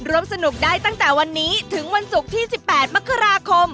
ร่วมสนุกได้ตั้งแต่วันนี้ถึงวันศุกร์ที่๑๘มกราคม